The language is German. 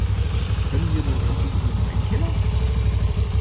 Können wir nun endlich in den Weinkeller?